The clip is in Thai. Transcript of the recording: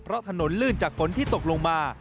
เพราะถนนลื่นจากฝนที่ตกลงมา